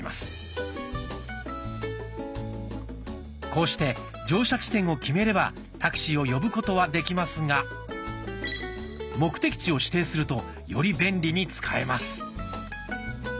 こうして乗車地点を決めればタクシーを呼ぶことはできますが目的地を指定するとより便利に使えます。